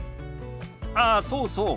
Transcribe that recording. ああそうそう。